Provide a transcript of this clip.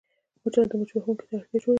مچان د مچ وهونکي ته اړتیا جوړوي